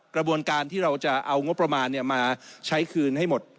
กระบวนการที่เราจะเอางบประมาณมาใช้คืนให้หมด